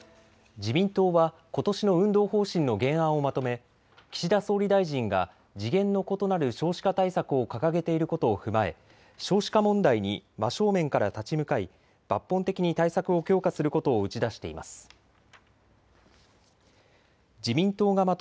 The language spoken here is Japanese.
自民党はことしの運動方針の原案をまとめ岸田総理大臣が次元の異なる少子化対策を掲げていることを踏まえ少子化問題に真正面から立ち向かい抜本的に対策を強化することを打ち出しています。